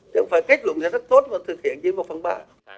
chẳng phải kết luận là rất tốt mà thực hiện chỉ một phần ba